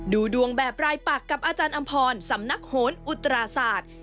ดูดวงแบบรายปักกับอาจารย์อำพรสำนักโหนอุตราศาสตร์